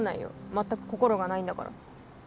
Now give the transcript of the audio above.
まったく心がないんだから。